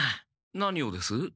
何をです？